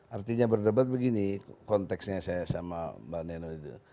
artinya berdebat begini konteksnya saya sama mbak neno itu